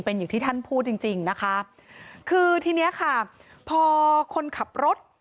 เป็นอย่างที่ท่านพูดจริงจริงนะคะคือทีเนี้ยค่ะพอคนขับรถ